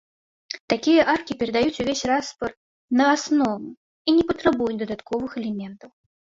Такія аркі перадаюць увесь распор на аснову і не патрабуюць дадатковых элементаў.